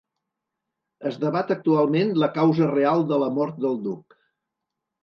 Es debat actualment la causa real de la mort del duc.